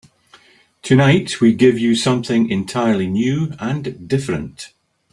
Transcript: Tonight we give you something entirely new and different.